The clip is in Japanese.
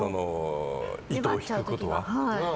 糸を引くことは。